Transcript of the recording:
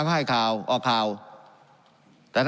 การปรับปรุงทางพื้นฐานสนามบิน